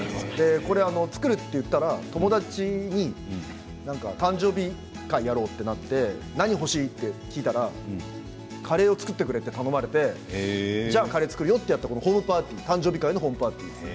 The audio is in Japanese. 作ると言ったら、友達に誕生日会をやろうかなって何を欲しい？と聞いたらカレーを作ってくれと頼まれてじゃあカレーを作るよと誕生日会のホームパーティーです。